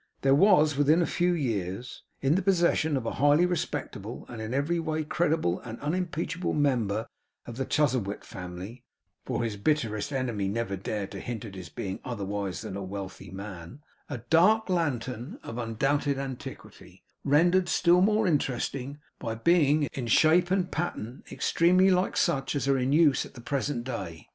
There was, within a few years, in the possession of a highly respectable and in every way credible and unimpeachable member of the Chuzzlewit Family (for his bitterest enemy never dared to hint at his being otherwise than a wealthy man), a dark lantern of undoubted antiquity; rendered still more interesting by being, in shape and pattern, extremely like such as are in use at the present day.